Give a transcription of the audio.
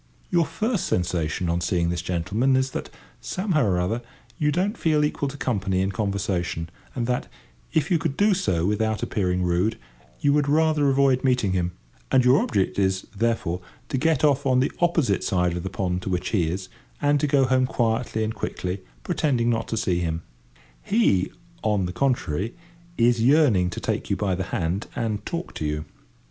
Your first sensation on seeing this gentleman is that, somehow or other, you don't feel equal to company and conversation, and that, if you could do so without appearing rude, you would rather avoid meeting him; and your object is, therefore, to get off on the opposite side of the pond to which he is, and to go home quietly and quickly, pretending not to see him. He, on the contrary is yearning to take you by the hand, and talk to you.